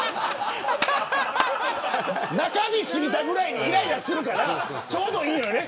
中日過ぎたぐらいでいらいらするからちょうどいいよね。